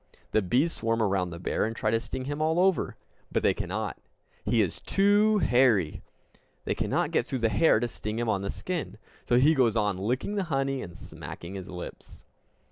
The bees swarm around the bear and try to sting him all over. But they cannot! He is too hairy! They cannot get through the hair to sting him on the skin. So he goes on licking the honey and smacking his lips!